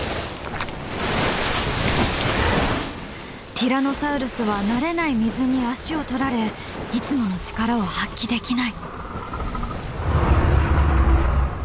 ティラノサウルスは慣れない水に足を取られいつもの力を発揮できない。